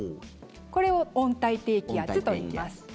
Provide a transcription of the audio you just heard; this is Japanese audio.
これを温帯低気圧といいます。